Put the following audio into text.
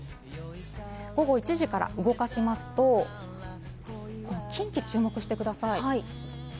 午後１時から動かしますと、近畿に注目してください。